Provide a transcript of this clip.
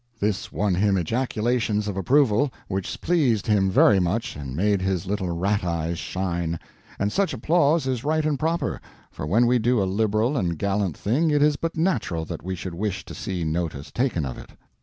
This won him ejaculations of approval, which pleased him very much and made his little rat eyes shine; and such applause is right and proper, for when we do a liberal and gallant thing it is but natural that we should wish to see notice taken of it.